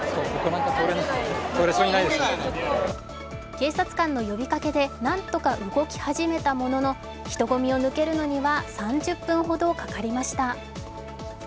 警察官の呼びかけでなんとか動き始めたものの人混みを抜けるのには３０分ほどかかりました。